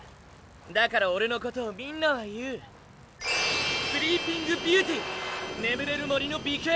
だからオレのことをみんなは言う「スリーピングビューティ眠れる森の美形」！